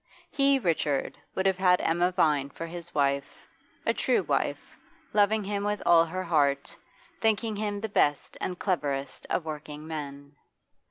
He, Richard, would have had Emma Vine for his wife, a true wife, loving him with all her heart, thinking him the best and cleverest of working men.